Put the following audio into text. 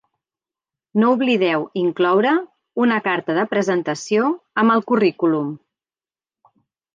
No oblideu incloure una carta de presentació amb el currículum.